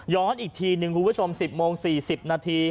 ย้อนอีกที๑คุณผู้ชม๑๐โมง๔๐นาที